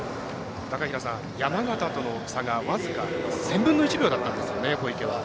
高平さん、山縣との差が僅か１０００分の１秒だったんですね。